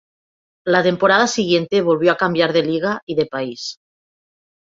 La temporada siguiente volvió a cambiar de liga y de país.